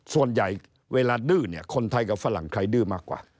ส่วนใหญ่เวลาดื้อเนี่ยคนไทยกับฝรั่งใครดื้อมากกว่า